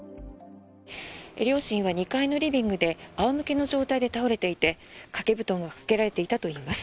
両親は２階のリビングで仰向けの状態で倒れていて掛け布団がかけられていたといいます。